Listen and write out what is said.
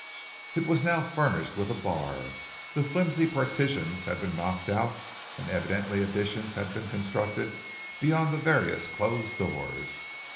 It was now furnished with a bar, the flimsy partitions had been knocked out, and evidently additions had been constructed beyond the various closed doors.